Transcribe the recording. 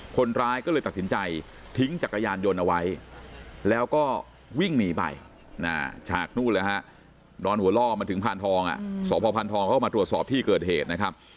คนร้ายก็เลยตัดสินใจทิ้งจักรยานยนต์เอาไว้แล้วก็วิ่งหนีไปฉากนู่นเลยฮะนอนหัวล่อมาถึงพานทองสพพานทองเข้ามาตรวจสอบที่เกิดเหตุนะครับ